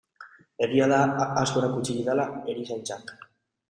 Egia da asko erakutsi didala erizaintzak.